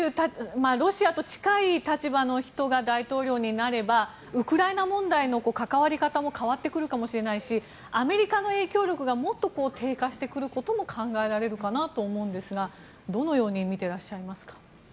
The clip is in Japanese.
ロシアと近い立場の人が大統領になればウクライナ問題の関わり方も変わってくるかもしれないしアメリカの影響力がもっと低下してくることも考えられるかと思うんですがどのように見ていらっしゃいますか？